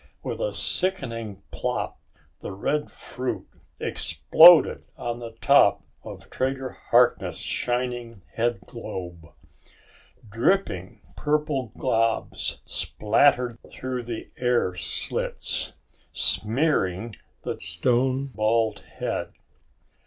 With a sickening plop the red fruit exploded on the top of Trader Harkness' shining headglobe. Dripping purple gobs splattered through the air slits, smearing the stone bald head.